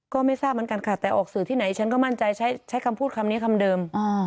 ก็ไม่ทราบเหมือนกันค่ะแต่ออกสื่อที่ไหนฉันก็มั่นใจใช้คำพูดคำนี้คำเดิม